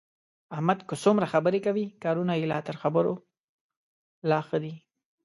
احمد که څومره خبرې کوي، کارونه یې تر خبرو لا ښه دي.